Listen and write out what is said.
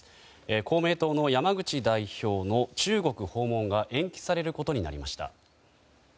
公明党の山口代表の中国訪問が延期されることになりました。